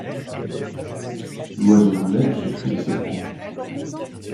l’oiseau lui-même se fût laissé prendre.